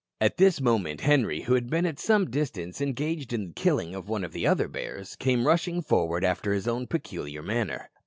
At this moment Henri, who had been at some distance engaged in the killing of one of the other bears, came rushing forward after his own peculiar manner.